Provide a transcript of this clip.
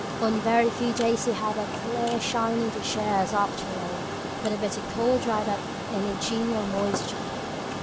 On very few days had we "clear shining to cheer us after rain," for the bitter cold dried up any genial moisture.